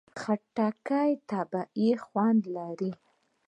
خټکی طبیعي خوند لري.